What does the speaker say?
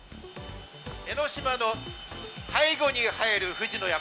江の島の背後に映える富士の山。